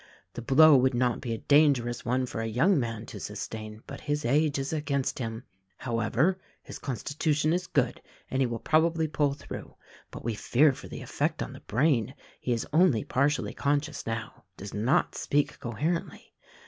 The blow would not be a dangerous one for a young man to sustain, but his age is against him. How ever, his constitution is good and he will probably pull through — but we fear for the effect on the brain. He is only partially conscious now; does not speak coherently.